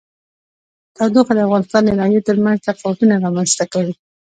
تودوخه د افغانستان د ناحیو ترمنځ تفاوتونه رامنځ ته کوي.